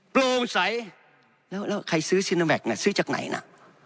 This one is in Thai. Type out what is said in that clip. โปร่งใสแล้วแล้วใครซื้อน่ะซื้อจากไหนน่ะ